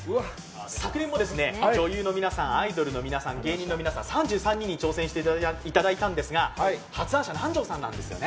昨年も女優の皆さん、アイドルの皆さん、芸人の皆さん３３人に挑戦していただいたんですが、発案者は南條さんなんですよね。